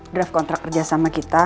draft kontrak kerja sama kita